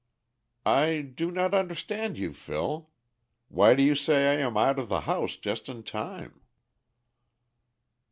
"I do not understand you, Phil. Why do you say I am out of the house just in time?"